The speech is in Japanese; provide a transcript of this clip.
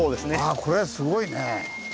あこれはすごいね。